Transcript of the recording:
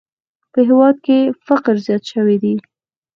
په هېواد کې فقر زیات شوی دی!